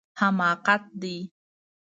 حماقت دی